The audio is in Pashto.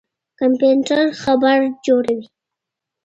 کمپيوټر خبر جوړوي.